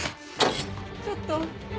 ちょっと。